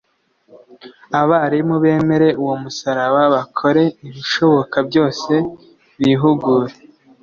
abarimu bemere uwo musaraba bakore ibishoboka byose bihugure,